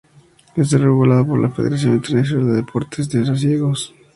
Está regulado por la Federación Internacional de Deportes para Ciegos.